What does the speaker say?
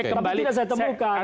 tapi tidak saya temukan